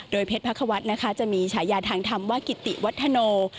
เพชรพระควัฒน์นะคะจะมีฉายาทางธรรมว่ากิติวัฒโน